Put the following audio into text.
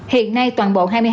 hiện nay toàn bộ hai mươi hai